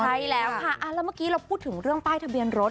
ใช่แล้วค่ะแล้วเมื่อกี้เราพูดถึงเรื่องป้ายทะเบียนรถ